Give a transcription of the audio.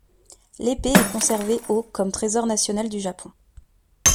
L'épée est conservée au comme trésor national du Japon.